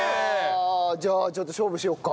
じゃあちょっと勝負しようか。